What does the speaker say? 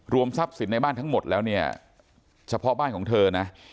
ทรัพย์สินในบ้านทั้งหมดแล้วเนี่ยเฉพาะบ้านของเธอนะ